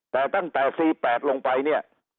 แต่ตั้งแต่๔๘ลงไปเนี่ย